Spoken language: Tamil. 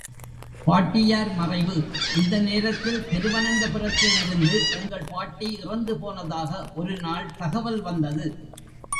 பாட்டியார் மறைவு இந்த நேரத்தில் திருவனந்தபுரத்தில் இருந்து எங்கள் பாட்டி இறந்து போனதாக ஒருநாள் தகவல் வந்தது.